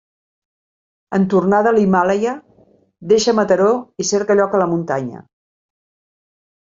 En tornar de l’Himàlaia deixa Mataró i cerca lloc a la muntanya.